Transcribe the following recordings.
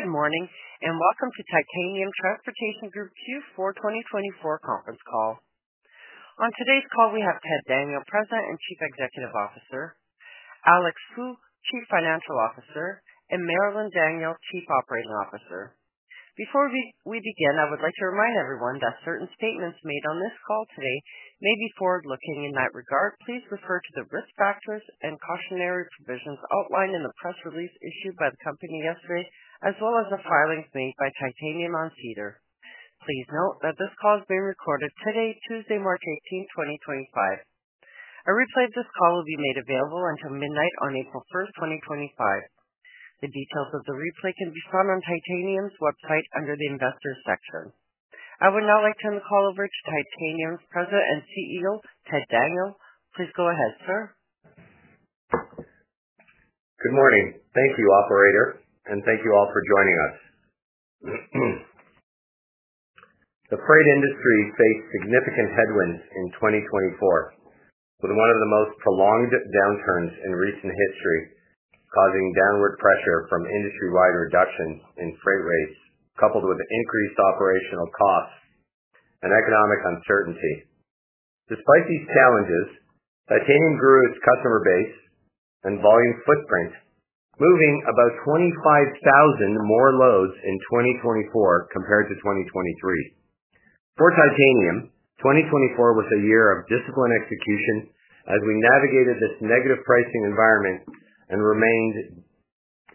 Good morning and welcome to Titanium Transportation Group Q4 2024 Conference Call. On today's call, we have Ted Daniel, President and Chief Executive Officer; Alex Fu, Chief Financial Officer; and Marilyn Daniel, Chief Operating Officer. Before we begin, I would like to remind everyone that certain statements made on this call today may be forward-looking. In that regard, please refer to the risk factors and cautionary provisions outlined in the press release issued by the company yesterday, as well as the filings made by Titanium on SEDAR. Please note that this call is being recorded today, Tuesday, March 18, 2025. A replay of this call will be made available until midnight on April 1, 2025. The details of the replay can be found on Titanium's website under the Investors section. I would now like to turn the call over to Titanium's President and CEO, Ted Daniel. Please go ahead, sir. Good morning. Thank you, operator, and thank you all for joining us. The freight industry faced significant headwinds in 2024, with one of the most prolonged downturns in recent history, causing downward pressure from industry-wide reductions in freight rates, coupled with increased operational costs and economic uncertainty. Despite these challenges, Titanium grew its customer base and volume footprint, moving about 25,000 more loads in 2024 compared to 2023. For Titanium, 2024 was a year of disciplined execution as we navigated this negative pricing environment and remained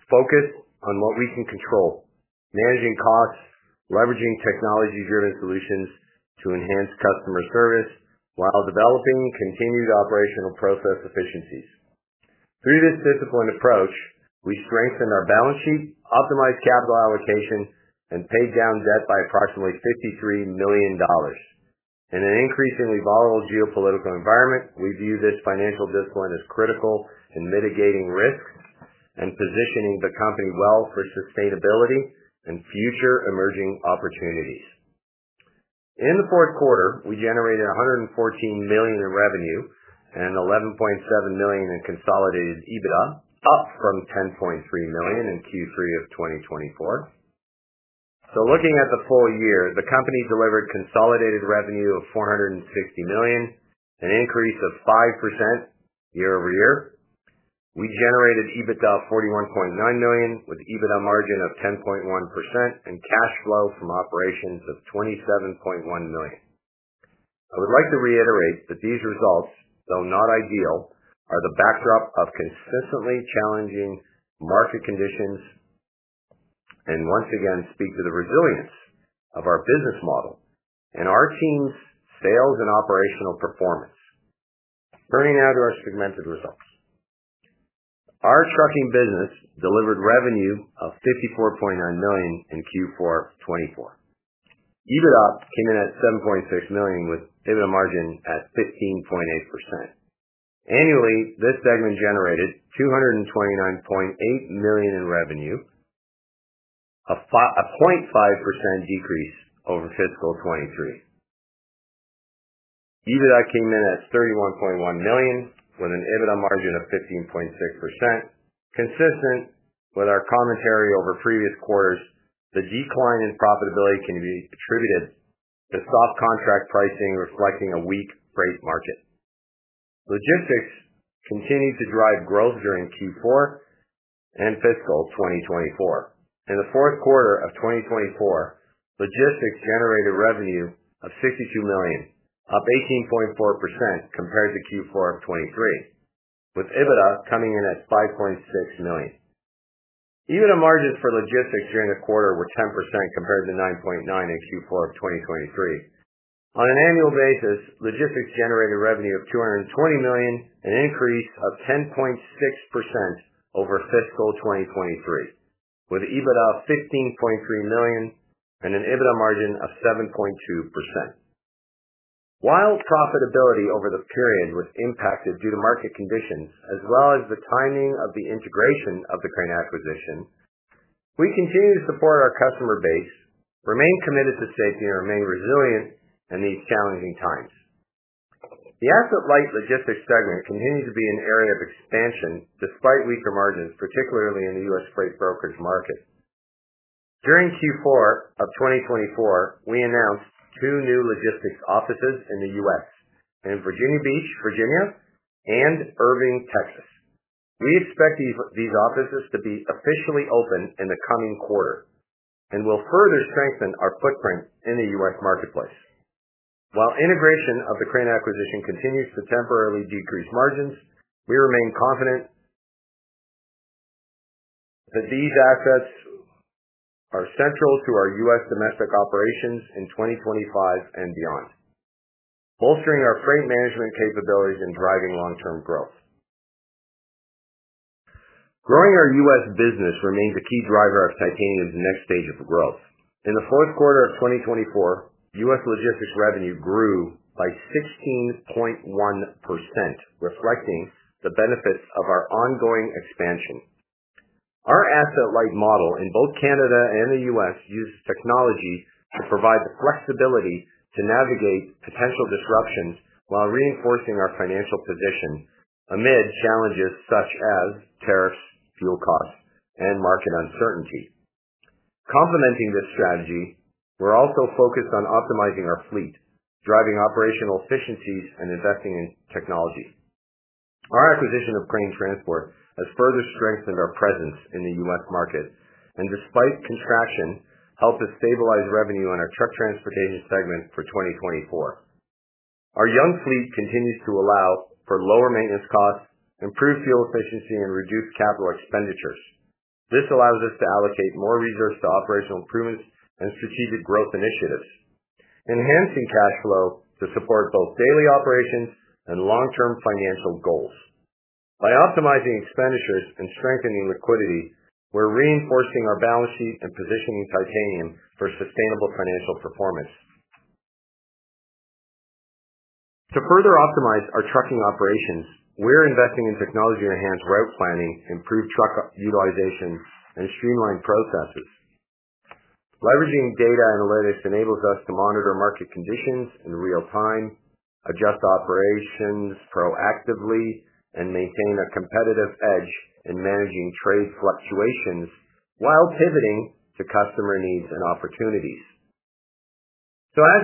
focused on what we can control, managing costs, leveraging technology-driven solutions to enhance customer service while developing continued operational process efficiencies. Through this disciplined approach, we strengthened our balance sheet, optimized capital allocation, and paid down debt by approximately 53 million dollars. In an increasingly volatile geopolitical environment, we view this financial discipline as critical in mitigating risks and positioning the company well for sustainability and future emerging opportunities. In the fourth quarter, we generated 114 million in revenue and 11.7 million in consolidated EBITDA, up from 10.3 million in Q3 of 2024. Looking at the full year, the company delivered consolidated revenue of 460 million, an increase of 5% year-over-year. We generated EBITDA of 41.9 million, with an EBITDA margin of 10.1% and cash flow from operations of 27.1 million. I would like to reiterate that these results, though not ideal, are the backdrop of consistently challenging market conditions and once again speak to the resilience of our business model and our team's sales and operational performance. Turning now to our segmented results. Our trucking business delivered revenue of 54.9 million in Q4 2024. EBITDA came in at 7.6 million, with an EBITDA margin at 15.8%. Annually, this segment generated 229.8 million in revenue, a 0.5% decrease over fiscal 2023. EBITDA came in at 31.1 million, with an EBITDA margin of 15.6%, consistent with our commentary over previous quarters. The decline in profitability can be attributed to soft contract pricing reflecting a weak freight market. Logistics continued to drive growth during Q4 and fiscal 2024. In the fourth quarter of 2024, logistics generated revenue of 62 million, up 18.4% compared to Q4 of 2023, with EBITDA coming in at 5.6 million. EBITDA margins for logistics during the quarter were 10% compared to 9.9 million in Q4 of 2023. On an annual basis, logistics generated revenue of 220 million, an increase of 10.6% over fiscal 2023, with EBITDA of 15.3 million and an EBITDA margin of 7.2%. While profitability over the period was impacted due to market conditions, as well as the timing of the integration of the Crane acquisition, we continue to support our customer base, remain committed to safety, and remain resilient in these challenging times. The asset-light logistics segment continues to be an area of expansion despite weaker margins, particularly in the U.S. freight brokerage market. During Q4 of 2024, we announced two new logistics offices in the U.S. in Virginia Beach, Virginia, and Irving, Texas. We expect these offices to be officially open in the coming quarter and will further strengthen our footprint in the U.S. marketplace. While integration of the Crane acquisition continues to temporarily decrease margins, we remain confident that these assets are central to our U.S. domestic operations in 2025 and beyond, bolstering our freight management capabilities and driving long-term growth. Growing our U.S.business remains a key driver of Titanium's next stage of growth. In the fourth quarter of 2024, U.S. logistics revenue grew by 16.1%, reflecting the benefits of our ongoing expansion. Our asset-light model in both Canada and the U.S. uses technology to provide the flexibility to navigate potential disruptions while reinforcing our financial position amid challenges such as tariffs, fuel costs, and market uncertainty. Complementing this strategy, we're also focused on optimizing our fleet, driving operational efficiencies, and investing in technology. Our acquisition of Crane Transport has further strengthened our presence in the U.S. market and, despite contraction, helped to stabilize revenue on our truck transportation segment for 2024. Our young fleet continues to allow for lower maintenance costs, improved fuel efficiency, and reduced capital expenditures. This allows us to allocate more resources to operational improvements and strategic growth initiatives, enhancing cash flow to support both daily operations and long-term financial goals. By optimizing expenditures and strengthening liquidity, we're reinforcing our balance sheet and positioning Titanium for sustainable financial performance. To further optimize our trucking operations, we're investing in technology-enhanced route planning, improved truck utilization, and streamlined processes. Leveraging data analytics enables us to monitor market conditions in real time, adjust operations proactively, and maintain a competitive edge in managing trade fluctuations while pivoting to customer needs and opportunities.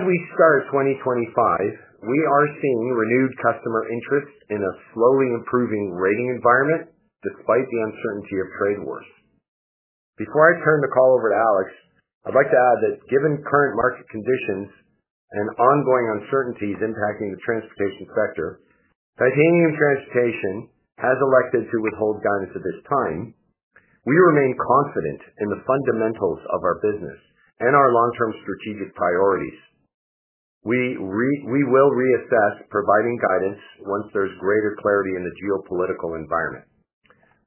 As we start 2025, we are seeing renewed customer interest in a slowly improving rating environment despite the uncertainty of trade wars. Before I turn the call over to Alex, I'd like to add that given current market conditions and ongoing uncertainties impacting the transportation sector, Titanium Transportation has elected to withhold guidance at this time. We remain confident in the fundamentals of our business and our long-term strategic priorities. We will reassess providing guidance once there is greater clarity in the geopolitical environment.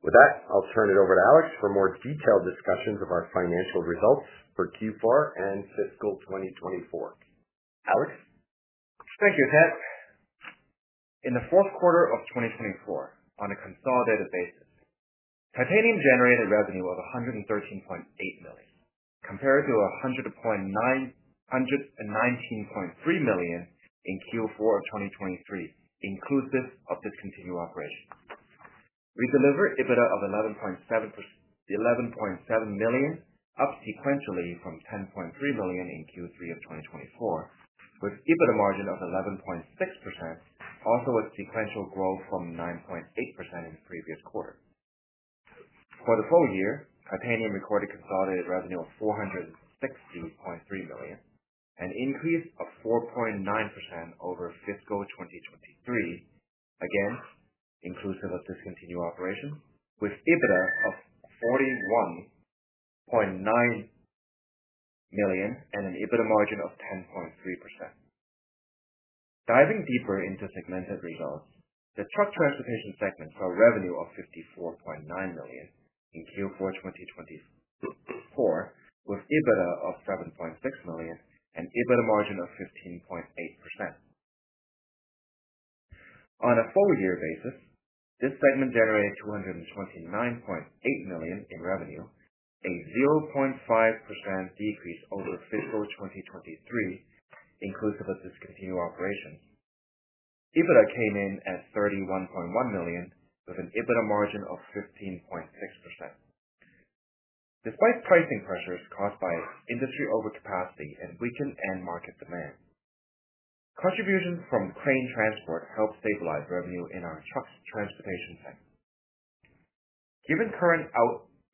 With that, I will turn it over to Alex for more detailed discussions of our financial results for Q4 and fiscal 2024. Alex? Thank you, Ted. In the fourth quarter of 2024, on a consolidated basis, Titanium generated revenue of 113.8 million compared to 119.3 million in Q4 of 2023, inclusive of discontinued operations. We delivered EBITDA of 11.7 million, up sequentially from 10.3 million in Q3 of 2024, with an EBITDA margin of 11.6%, also a sequential growth from 9.8% in the previous quarter. For the full year, Titanium recorded consolidated revenue of 460.3 million, an increase of 4.9% over fiscal 2023, again inclusive of discontinued operations, with EBITDA of 41.9 million and an EBITDA margin of 10.3%. Diving deeper into segmented results, the truck transportation segment saw revenue of 54.9 million in Q4 2024, with an EBITDA of 7.6 million and an EBITDA margin of 15.8%. On a full-year basis, this segment generated 229.8 million in revenue, a 0.5% decrease over fiscal 2023, inclusive of discontinued operations. EBITDA came in at 31.1 million, with an EBITDA margin of 15.6%. Despite pricing pressures caused by industry overcapacity and weakened end-market demand, contributions from Crane Transport helped stabilize revenue in our truck transportation segment. Given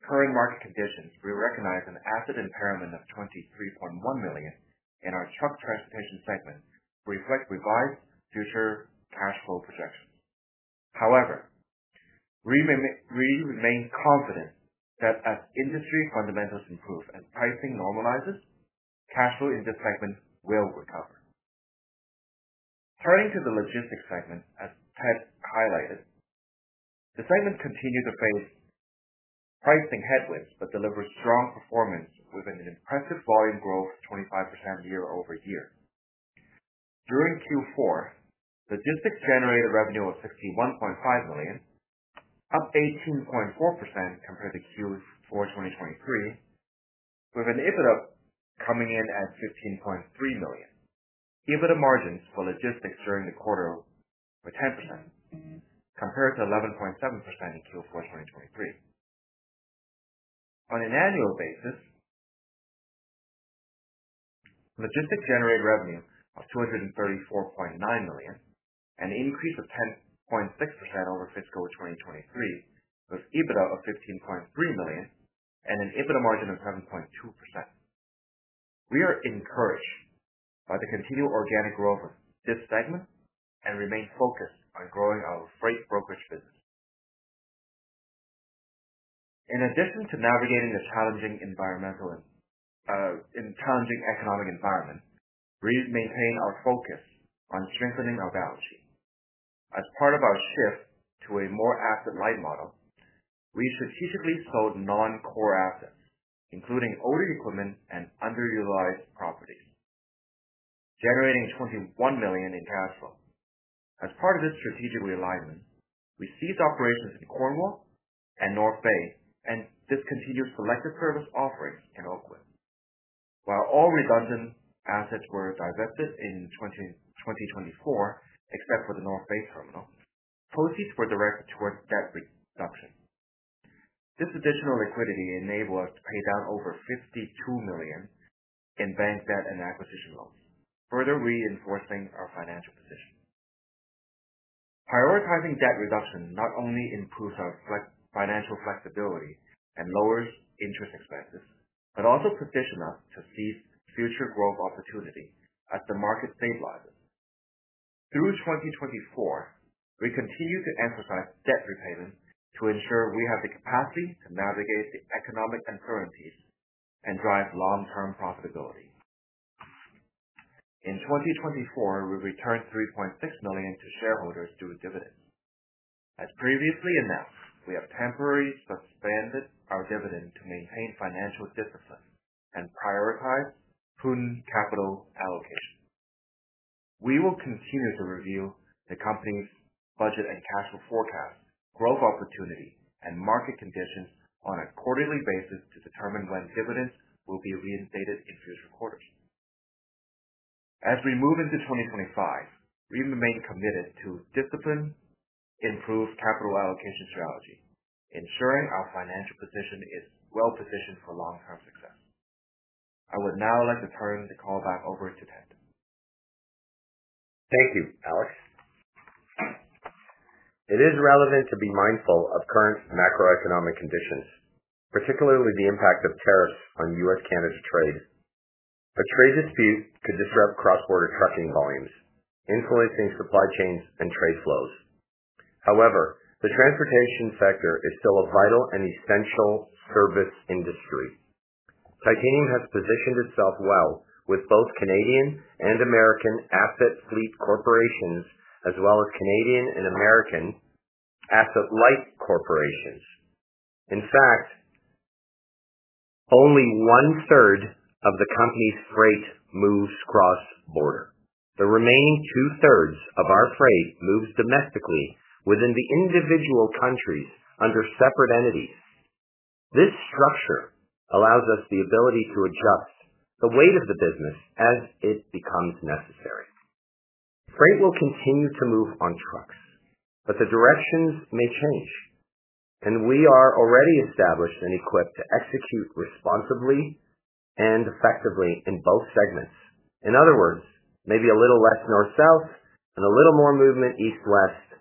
current market conditions, we recognize an asset impairment of 23.1 million in our truck transportation segment reflects revised future cash flow projections. However, we remain confident that as industry fundamentals improve and pricing normalizes, cash flow in this segment will recover. Turning to the logistics segment, as Ted highlighted, the segment continued to face pricing headwinds but delivered strong performance with an impressive volume growth of 25% year-over-year. During Q4, logistics generated revenue of 61.5 million, up 18.4% compared to Q4 2023, with an EBITDA coming in at 15.3 million. EBITDA margins for logistics during the quarter were 10% compared to 11.7% in Q4 2023. On an annual basis, logistics generated revenue of 234.9 million, an increase of 10.6% over fiscal 2023, with an EBITDA of 15.3 million and an EBITDA margin of 7.2%. We are encouraged by the continued organic growth of this segment and remain focused on growing our freight brokerage business. In addition to navigating a challenging economic environment, we maintain our focus on strengthening our balance sheet. As part of our shift to a more asset-light model, we strategically sold non-core assets, including older equipment and underutilized properties, generating 21 million in cash flow. As part of this strategic realignment, we ceased operations in Cornwall and North Bay and discontinued selective service offerings in Oakwood. While all redundant assets were divested in 2024 except for the North Bay terminal, proceeds were directed toward debt reduction. This additional liquidity enabled us to pay down over 52 million in bank debt and acquisition loans, further reinforcing our financial position. Prioritizing debt reduction not only improves our financial flexibility and lowers interest expenses but also positions us to seize future growth opportunities as the market stabilizes. Through 2024, we continue to emphasize debt repayment to ensure we have the capacity to navigate the economic uncertainties and drive long-term profitability. In 2024, we returned 3.6 million to shareholders through dividends. As previously announced, we have temporarily suspended our dividend to maintain financial discipline and prioritize prudent capital allocation. We will continue to review the company's budget and cash flow forecast, growth opportunity, and market conditions on a quarterly basis to determine when dividends will be reinstated in future quarters. As we move into 2025, we remain committed to discipline and improved capital allocation strategy, ensuring our financial position is well-positioned for long-term success. I would now like to turn the call back over to Ted. Thank you, Alex. It is relevant to be mindful of current macroeconomic conditions, particularly the impact of tariffs on U.S.-Canada trade. A trade dispute could disrupt cross-border trucking volumes, influencing supply chains and trade flows. However, the transportation sector is still a vital and essential service industry. Titanium has positioned itself well with both Canadian and American asset fleet corporations, as well as Canadian and American asset-light corporations. In fact, only one-third of the company's freight moves cross-border. The remaining two-thirds of our freight moves domestically within the individual countries under separate entities. This structure allows us the ability to adjust the weight of the business as it becomes necessary. Freight will continue to move on trucks, but the directions may change, and we are already established and equipped to execute responsibly and effectively in both segments. In other words, maybe a little less north-south and a little more movement east-west.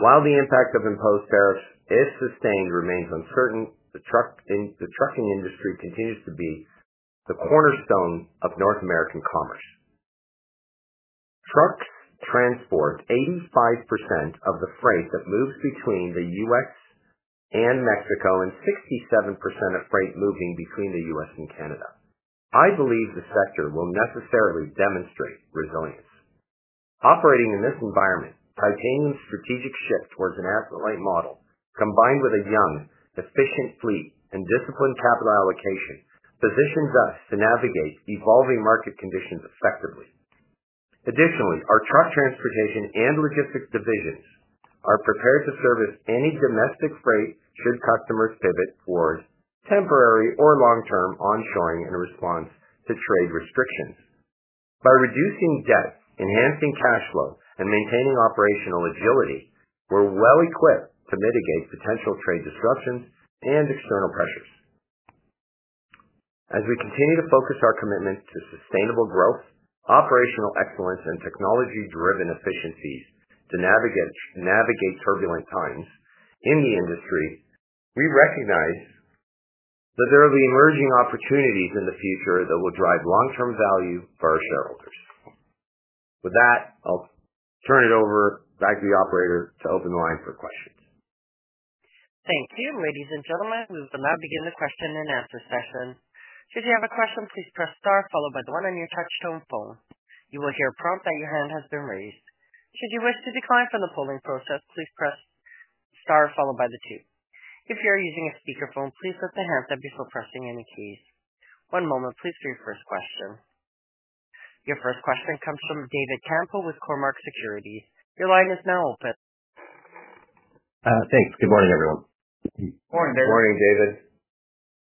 While the impact of imposed tariffs, if sustained, remains uncertain, the trucking industry continues to be the cornerstone of North American commerce. Trucks transport 85% of the freight that moves between the U.S. and Mexico and 67% of freight moving between the U.S. and Canada. I believe the sector will necessarily demonstrate resilience. Operating in this environment, Titanium's strategic shift towards an asset-light model, combined with a young, efficient fleet and disciplined capital allocation, positions us to navigate evolving market conditions effectively. Additionally, our truck transportation and logistics divisions are prepared to service any domestic freight should customers pivot toward temporary or long-term onshoring in response to trade restrictions. By reducing debt, enhancing cash flow, and maintaining operational agility, we're well-equipped to mitigate potential trade disruptions and external pressures. As we continue to focus our commitment to sustainable growth, operational excellence, and technology-driven efficiencies to navigate turbulent times in the industry, we recognize that there are emerging opportunities in the future that will drive long-term value for our shareholders. With that, I'll turn it over back to the operator to open the line for questions. Thank you. Ladies and gentlemen, we will now begin the question and answer session. Should you have a question, please press star followed by the one on your touch-tone phone. You will hear a prompt that your hand has been raised. Should you wish to decline from the polling process, please press star followed by the two. If you are using a speakerphone, please lift the handset before pressing any keys. One moment, please, for your first question. Your first question comes from David Campbell with Cormark Securities. Your line is now open. Thanks. Good morning, everyone. Morning, David. Morning, David.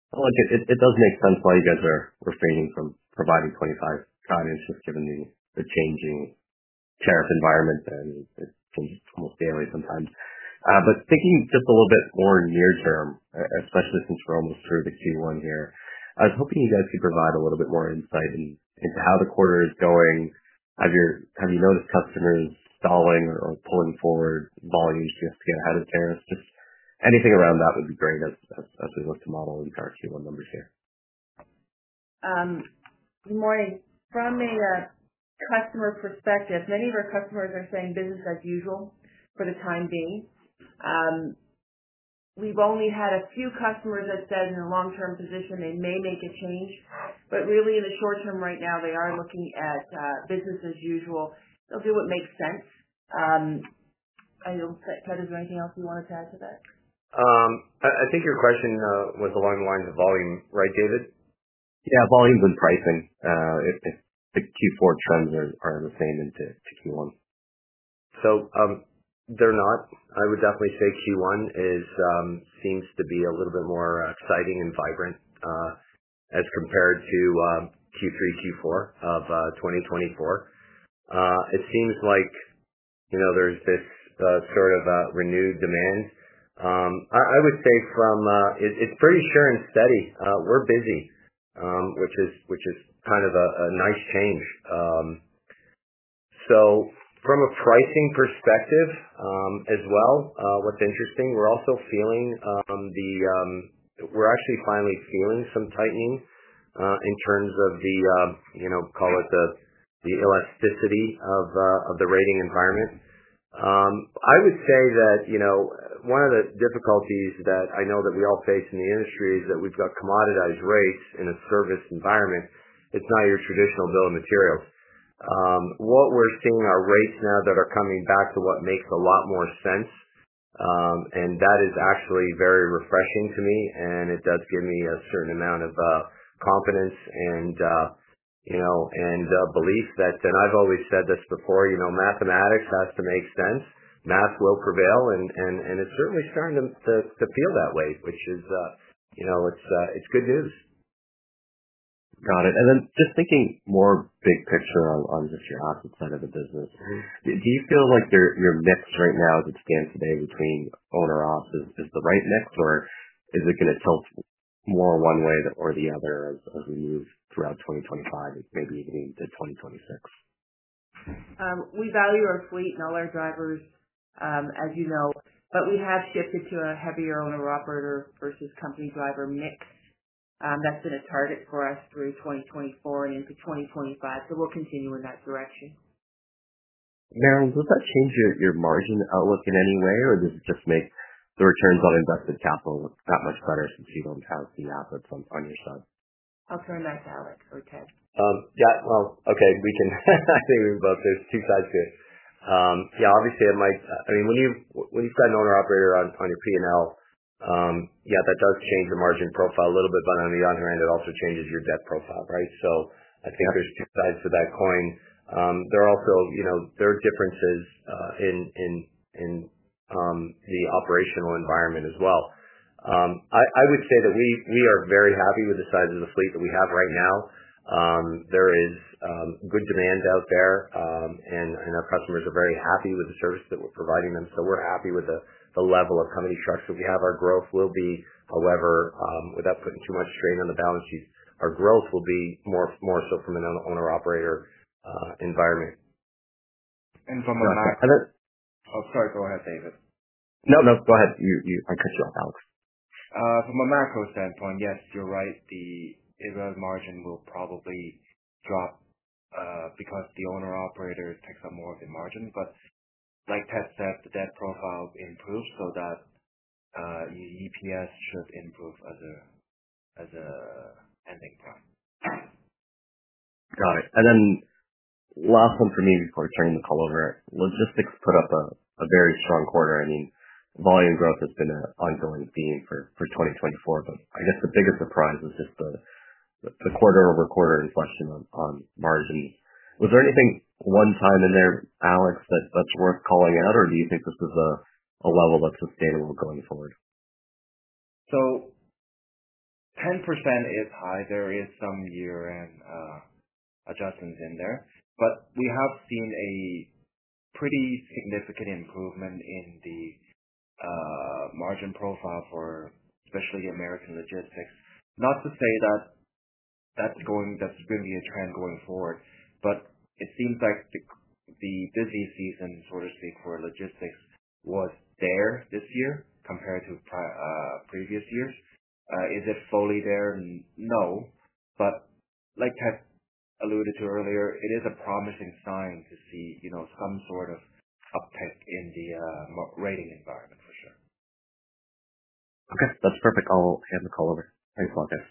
I like it. It does make sense why you guys are refraining from providing 2025, just given the changing tariff environment, and it's almost daily sometimes. Thinking just a little bit more near-term, especially since we're almost through the Q1 here, I was hoping you guys could provide a little bit more insight into how the quarter is going. Have you noticed customers stalling or pulling forward volumes just to get ahead of tariffs? Just anything around that would be great as we look to model into our Q1 numbers here. Good morning. From a customer perspective, many of our customers are saying business as usual for the time being. We've only had a few customers that said in a long-term position they may make a change, but really in the short term right now, they are looking at business as usual. They'll do what makes sense. Ted, is there anything else you want to add to that? I think your question was along the lines of volume, right, David? Yeah, volumes and pricing. The Q4 trends are the same into Q1. They are not. I would definitely say Q1 seems to be a little bit more exciting and vibrant as compared to Q3, Q4 of 2024. It seems like there's this sort of renewed demand. I would say from it's pretty sure and steady. We're busy, which is kind of a nice change. From a pricing perspective as well, what's interesting, we're also feeling the we're actually finally feeling some tightening in terms of the, call it the elasticity of the rating environment. I would say that one of the difficulties that I know that we all face in the industry is that we've got commoditized rates in a service environment. It's not your traditional bill of materials. What we're seeing are rates now that are coming back to what makes a lot more sense, and that is actually very refreshing to me, and it does give me a certain amount of confidence and belief that, and I've always said this before, mathematics has to make sense. Math will prevail, and it's certainly starting to feel that way, which is it's good news. Got it. Just thinking more big picture on just your asset side of the business, do you feel like your mix right now as it stands today between owner-ops is the right mix, or is it going to tilt more one way or the other as we move throughout 2025 and maybe even into 2026? We value our fleet and all our drivers, as you know, but we have shifted to a heavier owner-operator versus company driver mix. That's been a target for us through 2024 and into 2025, so we'll continue in that direction. Marilyn, does that change your margin outlook in any way, or does it just make the returns on invested capital that much better since you don't have the assets on your side? I'll turn that to Alex or Ted. Yeah, okay. I think we both, there's two sides to it. Yeah, obviously, it might, I mean, when you've got an owner-operator on your P&L, yeah, that does change the margin profile a little bit, but on the other hand, it also changes your debt profile, right? I think there's two sides to that coin. There are also differences in the operational environment as well. I would say that we are very happy with the size of the fleet that we have right now. There is good demand out there, and our customers are very happy with the service that we're providing them, so we're happy with the level of how many trucks that we have. Our growth will be, however, without putting too much strain on the balance sheet, our growth will be more so from an owner-operator environment. From a macro. Ted? Oh, sorry. Go ahead, David. No, no. Go ahead. I cut you off, Alex. From a macro standpoint, yes, you're right. The average margin will probably drop because the owner-operator takes up more of the margin, but like Ted said, the debt profile improves so that EPS should improve as an ending price. Got it. Last one for me before turning the call over. Logistics put up a very strong quarter. I mean, volume growth has been an ongoing theme for 2024, but I guess the biggest surprise is just the quarter-over-quarter inflection on margins. Was there anything one time in there, Alex, that's worth calling out, or do you think this is a level that's sustainable going forward? 10% is high. There is some year-end adjustments in there, but we have seen a pretty significant improvement in the margin profile for especially American logistics. Not to say that that's going to be a trend going forward, but it seems like the busy season, so to speak, for logistics was there this year compared to previous years. Is it fully there? No. Like Ted alluded to earlier, it is a promising sign to see some sort of uptick in the rating environment, for sure. Okay. That's perfect. I'll hand the call over. Thanks a lot, guys.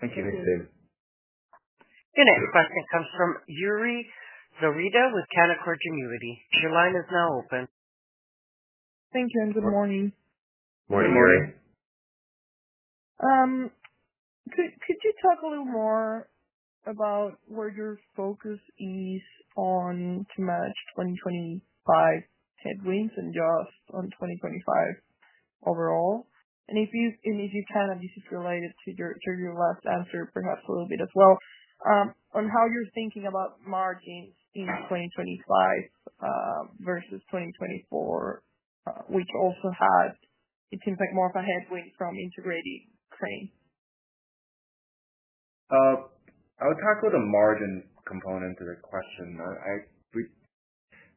Thank you. Thanks, David. The next question comes from Yuri Zoreda with Canaccord Genuity. Your line is now open. Thank you, and good morning. Morning. Good morning. Could you talk a little more about where your focus is on to match 2025 headwinds and jobs on 2025 overall? If you can, and this is related to your last answer, perhaps a little bit as well, on how you're thinking about margins in 2025 versus 2024, which also had, it seems like, more of a headwind from integrating Crane Transport? I'll tackle the margin component to the question,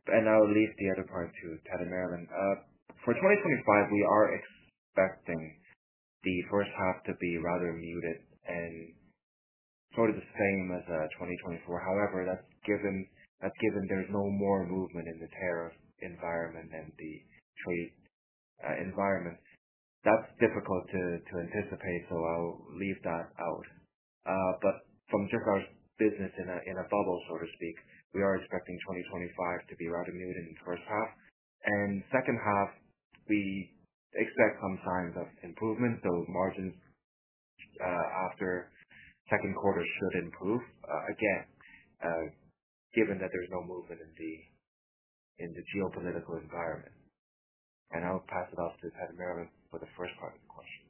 and I'll leave the other part to Ted and Marilyn. For 2025, we are expecting the first half to be rather muted and sort of the same as 2024. However, that's given there's no more movement in the tariff environment than the trade environment. That's difficult to anticipate, so I'll leave that out. From just our business in a bubble, so to speak, we are expecting 2025 to be rather muted in the first half. The second half, we expect some signs of improvement, so margins after second quarter should improve again, given that there's no movement in the geopolitical environment. I'll pass it off to Ted and Marilyn for the first part of the question.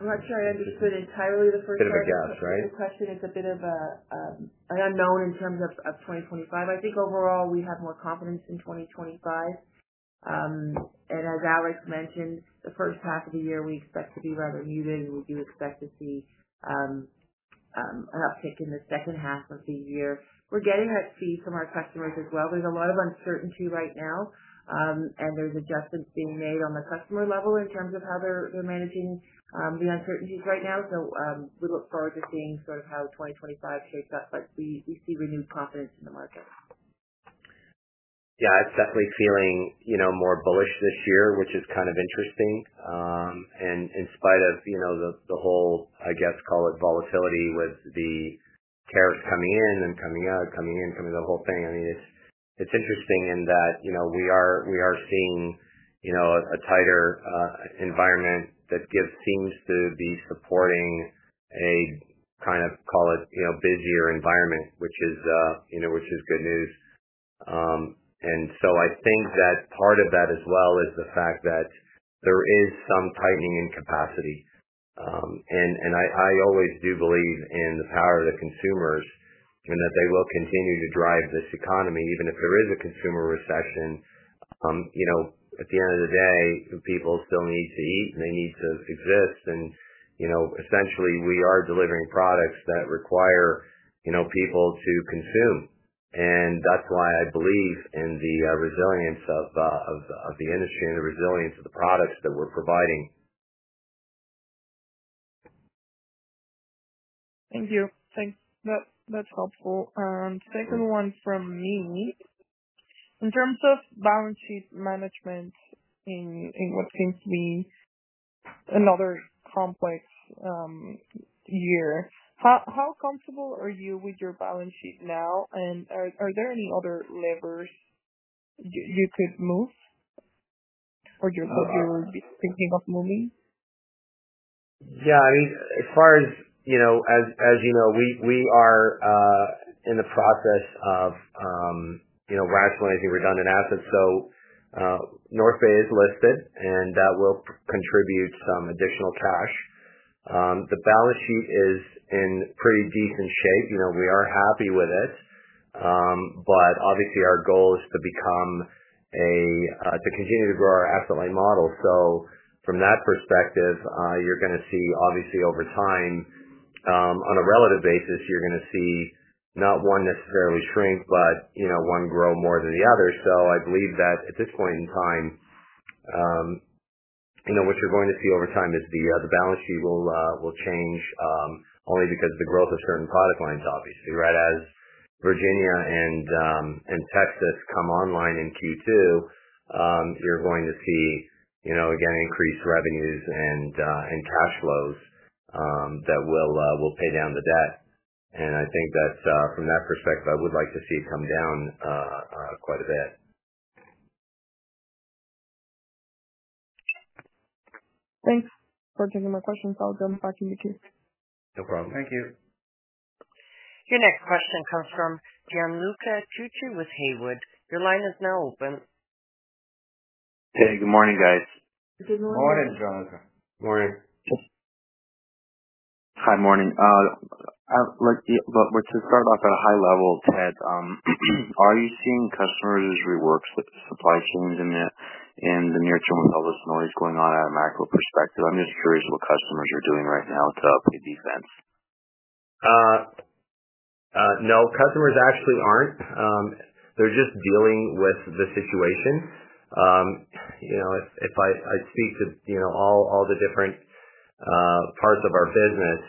I'm not sure I understood entirely the first part. Bit of a guess, right? The question is a bit of an unknown in terms of 2025. I think overall, we have more confidence in 2025. As Alex mentioned, the first half of the year, we expect to be rather muted, and we do expect to see an uptick in the second half of the year. We are getting that feed from our customers as well. There is a lot of uncertainty right now, and there are adjustments being made on the customer level in terms of how they are managing the uncertainties right now. We look forward to seeing sort of how 2025 shapes up, but we see renewed confidence in the market. Yeah, it's definitely feeling more bullish this year, which is kind of interesting. In spite of the whole, I guess, call it volatility with the tariffs coming in and coming out, coming in, coming out, the whole thing, I mean, it's interesting in that we are seeing a tighter environment that seems to be supporting a kind of, call it, busier environment, which is good news. I think that part of that as well is the fact that there is some tightening in capacity. I always do believe in the power of the consumers and that they will continue to drive this economy, even if there is a consumer recession. At the end of the day, people still need to eat, and they need to exist. Essentially, we are delivering products that require people to consume. I believe in the resilience of the industry and the resilience of the products that we're providing. Thank you. Thanks. That's helpful. Second one from me. In terms of balance sheet management in what seems to be another complex year, how comfortable are you with your balance sheet now? Are there any other levers you could move or you're thinking of moving? Yeah. I mean, as far as, as you know, we are in the process of rationalizing redundant assets. North Bay is listed, and that will contribute some additional cash. The balance sheet is in pretty decent shape. We are happy with it, but obviously, our goal is to continue to grow our asset-light model. From that perspective, you're going to see, obviously, over time, on a relative basis, you're going to see not one necessarily shrink, but one grow more than the other. I believe that at this point in time, what you're going to see over time is the balance sheet will change only because of the growth of certain product lines, obviously, right? As Virginia and Texas come online in Q2, you're going to see, again, increased revenues and cash flows that will pay down the debt. I think that from that perspective, I would like to see it come down quite a bit. Thanks for taking my questions. I'll jump back in the queue. No problem. Thank you. Your next question comes from Gianluca Tucci with Haywood. Your line is now open. Hey, good morning, guys. Good morning. Good morning, Gianluca. Morning. Hi, morning. To start off at a high level, Ted, are you seeing customers rework supply chains in the near term with all this noise going on out of macro perspective? I'm just curious what customers are doing right now to update defense. No. Customers actually aren't. They're just dealing with the situation. If I speak to all the different parts of our business,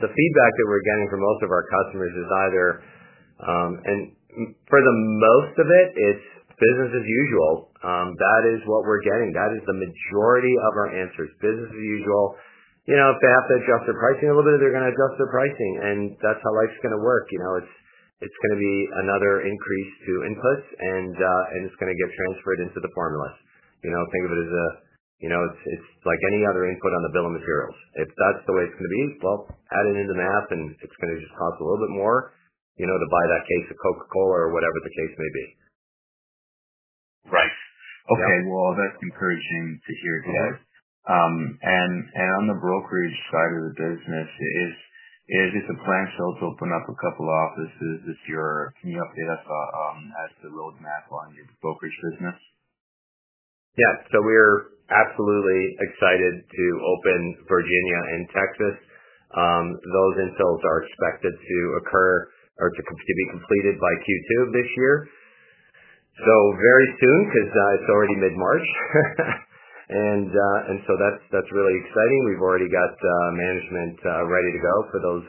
the feedback that we're getting from most of our customers is either—and for most of it, it's business as usual. That is what we're getting. That is the majority of our answers. Business as usual. If they have to adjust their pricing a little bit, they're going to adjust their pricing, and that's how life's going to work. It's going to be another increase to inputs, and it's going to get transferred into the formulas. Think of it as a—it's like any other input on the bill of materials. If that's the way it's going to be, add it into the math, and it's going to just cost a little bit more to buy that case of Coca-Cola or whatever the case may be. Right. Okay. That is encouraging to hear today. On the brokerage side of the business, is it a plan still to open up a couple of offices? Can you update us as to roadmap on your brokerage business? Yeah. We are absolutely excited to open Virginia and Texas. Those infills are expected to occur or to be completed by Q2 of this year. Very soon because it is already mid-March. That is really exciting. We have already got management ready to go for those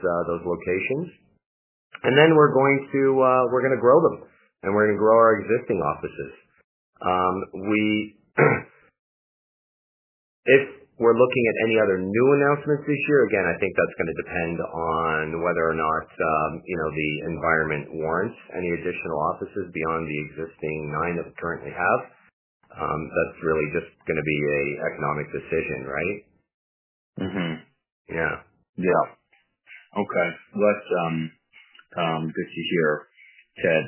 locations. We are going to grow them, and we are going to grow our existing offices. If we are looking at any other new announcements this year, again, I think that is going to depend on whether or not the environment warrants any additional offices beyond the existing nine that we currently have. That is really just going to be an economic decision, right? Yeah. Yeah. Okay. That is good to hear, Ted.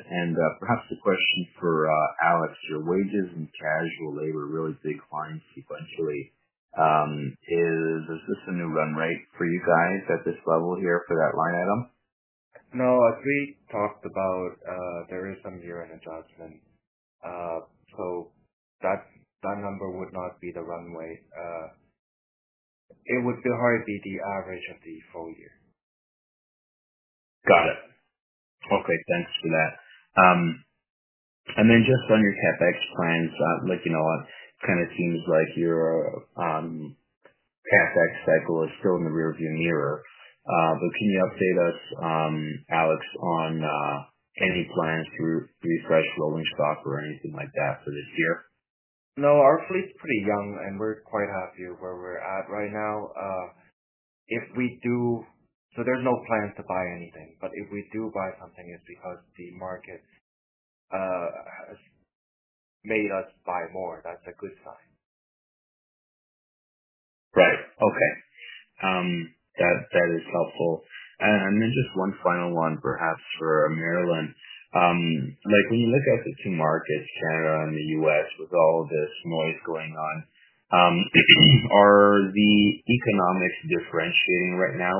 Perhaps a question for Alex. Your wages and casual labor really declined sequentially. Is this a new run rate for you guys at this level here for that line item? No. As we talked about, there is some year-end adjustment. That number would not be the runway. It would still probably be the average of the full year. Got it. Okay. Thanks for that. Like, you know, it kind of seems like your CapEx cycle is still in the rearview mirror. Can you update us, Alex, on any plans to refresh rolling stock or anything like that for this year? No. Our fleet's pretty young, and we're quite happy where we're at right now. There's no plans to buy anything. If we do buy something, it's because the market has made us buy more. That's a good sign. Right. Okay. That is helpful. Just one final one, perhaps, for Marilyn. When you look at the two markets, Canada and the U.S., with all this noise going on, are the economics differentiating right now?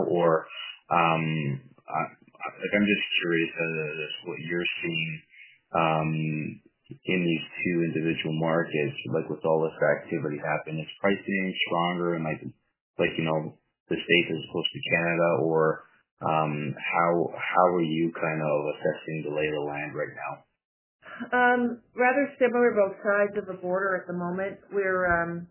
I am just curious as to what you are seeing in these two individual markets, with all this activity happening. Is pricing stronger in the states as opposed to Canada, or how are you kind of assessing the lay of the land right now? Rather similar both sides of the border at the moment. We're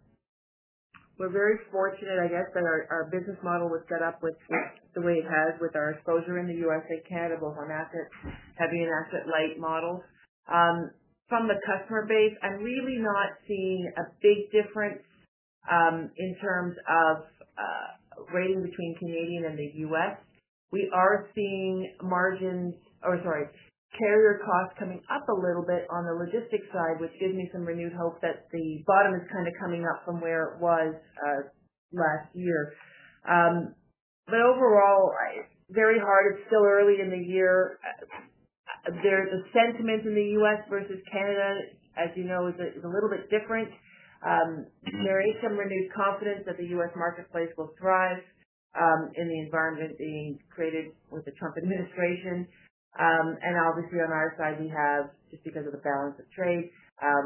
very fortunate, I guess, that our business model was set up the way it has with our exposure in the U.S. and Canada, both on asset heavy and asset-light models. From the customer base, I'm really not seeing a big difference in terms of rating between Canadian and the U.S. We are seeing margins—or sorry, carrier costs coming up a little bit on the logistics side, which gives me some renewed hope that the bottom is kind of coming up from where it was last year. Overall, very hard. It's still early in the year. There's a sentiment in the U.S. versus Canada, as you know, is a little bit different. There is some renewed confidence that the U.S. marketplace will thrive in the environment being created with the Trump administration. Obviously, on our side, we have, just because of the balance of trade,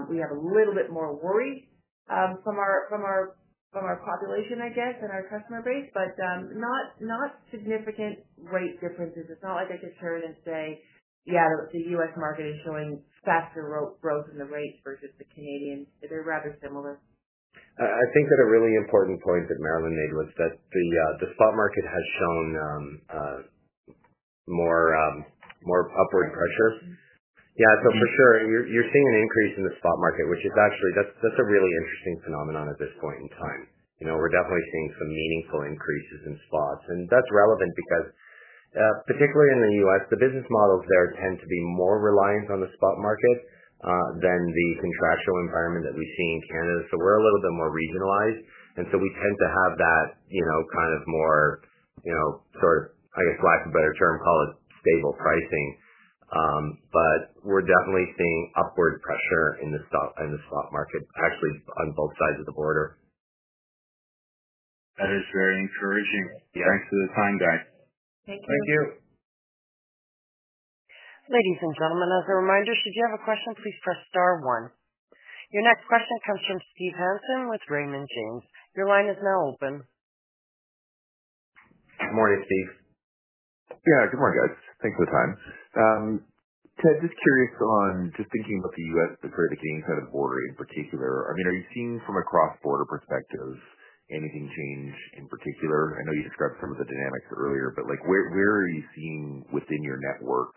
we have a little bit more worry from our population, I guess, and our customer base, but not significant rate differences. It's not like I could turn and say, "Yeah, the U.S. market is showing faster growth in the rates versus the Canadian." They're rather similar. I think that a really important point that Marilyn made was that the spot market has shown more upward pressure. Yeah. For sure, you're seeing an increase in the spot market, which is actually a really interesting phenomenon at this point in time. We're definitely seeing some meaningful increases in spots. That's relevant because, particularly in the U.S., the business models there tend to be more reliant on the spot market than the contractual environment that we see in Canada. We're a little bit more regionalized. We tend to have that kind of more sort of, I guess, lack of a better term, call it stable pricing. We're definitely seeing upward pressure in the spot market, actually, on both sides of the border. That is very encouraging. Thanks for the time, guys. Thank you. Thank you. Ladies and gentlemen, as a reminder, should you have a question, please press star one. Your next question comes from Steve Hansen with Raymond James. Your line is now open. Good morning, Steve. Yeah. Good morning, guys. Thanks for the time. Ted, just curious on just thinking about the U.S. and the further getting inside the border in particular. I mean, are you seeing from a cross-border perspective anything change in particular? I know you described some of the dynamics earlier, but where are you seeing within your network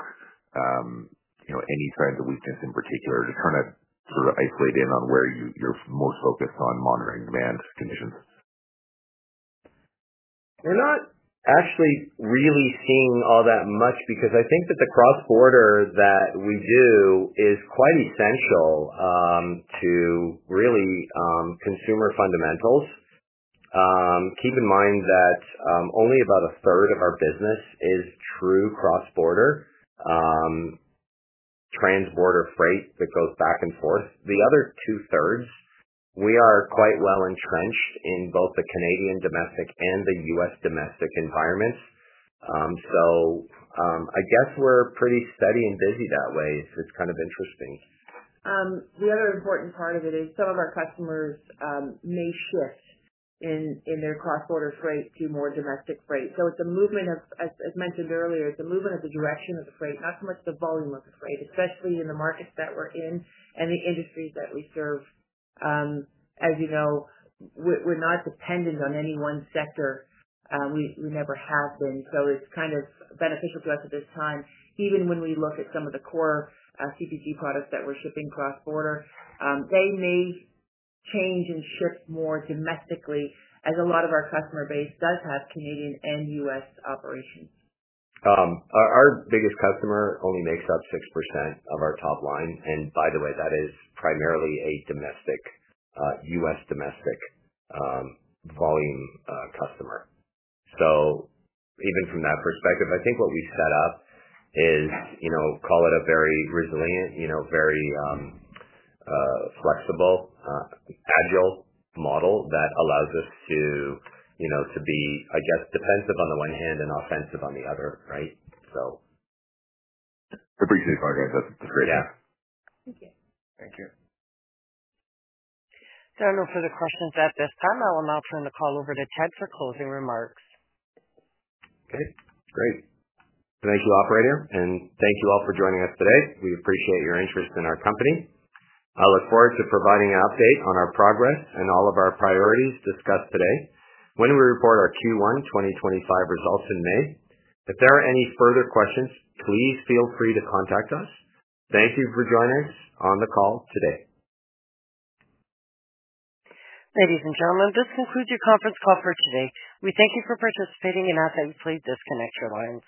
any signs of weakness in particular? Just trying to sort of isolate in on where you're most focused on monitoring demand conditions. We're not actually really seeing all that much because I think that the cross-border that we do is quite essential to really consumer fundamentals. Keep in mind that only about a third of our business is true cross-border, trans-border freight that goes back and forth. The other two-thirds, we are quite well entrenched in both the Canadian domestic and the U.S. domestic environments. I guess we're pretty steady and busy that way. It's kind of interesting. The other important part of it is some of our customers may shift in their cross-border freight to more domestic freight. It is a movement of, as mentioned earlier, it is a movement of the direction of the freight, not so much the volume of the freight, especially in the markets that we are in and the industries that we serve. As you know, we are not dependent on any one sector. We never have been. It is kind of beneficial to us at this time. Even when we look at some of the core CPG products that we are shipping cross-border, they may change and shift more domestically as a lot of our customer base does have Canadian and U.S. operations. Our biggest customer only makes up 6% of our top line. By the way, that is primarily a U.S. domestic volume customer. Even from that perspective, I think what we set up is, call it a very resilient, very flexible, agile model that allows us to be, I guess, defensive on the one hand and offensive on the other, right? That brings me to a point, guys. That's great. Yeah. Thank you. Thank you. There are no further questions at this time. I will now turn the call over to Ted for closing remarks. Okay. Great. Thank you, operator. Thank you all for joining us today. We appreciate your interest in our company. I look forward to providing an update on our progress and all of our priorities discussed today when we report our Q1 2025 results in May. If there are any further questions, please feel free to contact us. Thank you for joining us on the call today. Ladies and gentlemen, this concludes your conference call for today. We thank you for participating and ask that you please disconnect your lines.